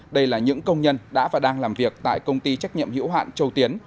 đây là những công nhân đã và đang làm việc tại công ty trách nhiệm hiểu hạn châu tiến